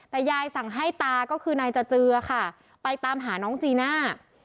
แต่ยายสั่งให้ตาก็คือนายจเจือค่ะไปตามหาน้องจีน่า